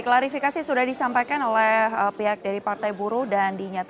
klarifikasi sudah disampaikan oleh pihak dari partai buruh dan dinyatakan